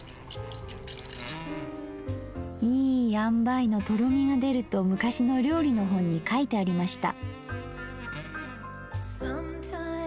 いい塩梅のとろみが出ると昔の料理の本に書いてありました。